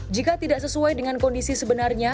jika tidak sesuai dengan kondisi sebenarnya